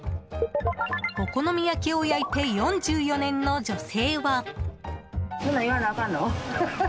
お好み焼きを焼いて４４年の女性は。